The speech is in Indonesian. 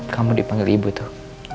kamu dipanggil ibu tuh